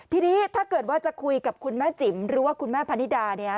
ทีนี้ถ้าเกิดว่าจะคุยกับคุณแม่จิ๋มหรือว่าคุณแม่พนิดาเนี่ย